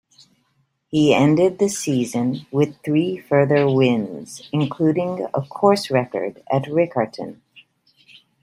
He ended the season with three further wins, including a course-record at Riccarton.